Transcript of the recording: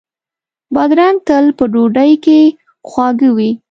بادرنګ تل په ډوډۍ کې خواږه وي.